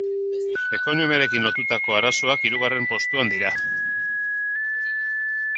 Ekonomiarekin lotutako arazoak hirugarren postuan dira.